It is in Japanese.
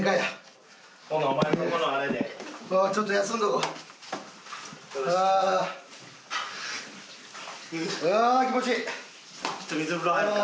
うわー気持ちいい！